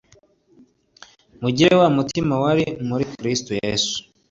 mugire wa mutima wari muri kristo yesu